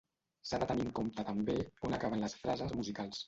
S'ha de tenir en compte també on acaben les frases musicals.